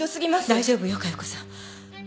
大丈夫よ加代子さん。